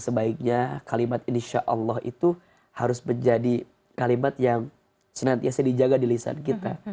sebaiknya kalimat insya allah itu harus menjadi kalimat yang senantiasa dijaga di lisan kita